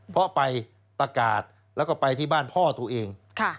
เพราะไปประกาศแล้วก็ไปที่บ้านพ่อตัวเอง